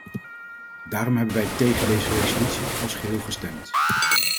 Daarom hebben wij tegen deze resolutie als geheel gestemd.